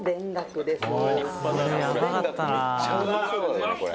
「めっちゃうまそうだねこれ」